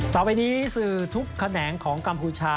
ต่อไปนี้สื่อทุกแขนงของกัมพูชา